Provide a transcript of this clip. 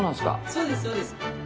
そうですそうです。